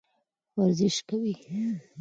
ورزش کوئ.